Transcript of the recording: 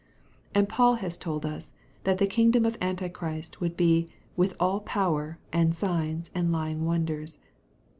" And Paul has told us, that the kingdom of Antichrist would be "with all power, and signs, and lying wonders."